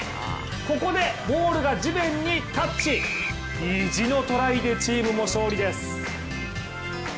ここでボールが地面にタッチ意地のトライでチームも勝利です